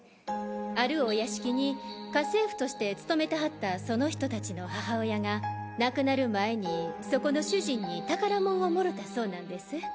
あるお屋敷に家政婦として勤めてはったその人達の母親が亡くなる前にそこの主人に宝物をもろたそうなんです。